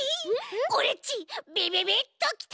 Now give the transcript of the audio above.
オレっちビビビッときた！